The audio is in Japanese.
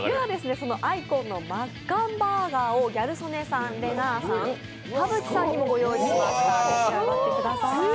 ではそのＩＣＯＮのマッカンバーガーをギャル曽根さん、田渕さん守屋さんにご用意しました。